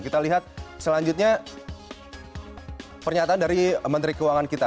kita lihat selanjutnya pernyataan dari menteri keuangan kita